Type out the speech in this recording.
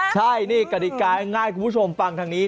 ใช่นี่กฎิกาง่ายคุณผู้ชมฟังทางนี้